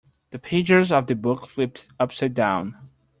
The pages of the book flipped upside down.